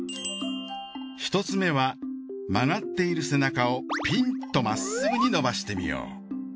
１つ目は曲がっている背中をピンとまっすぐに伸ばしてみよう。